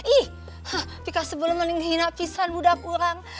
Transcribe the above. ih pika sebelum ini nginap pisan mudah kurang